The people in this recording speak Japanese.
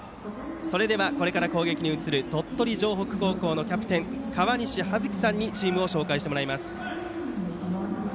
これから攻撃に移る鳥取城北高校のキャプテン河西華槻さんにチームを紹介してもらいます。